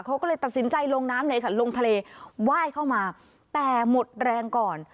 เขาก็เลยตัดสินใจลงน้ำเลยค่ะลงทะเลไหว้เข้ามาแต่หมดแรงก่อน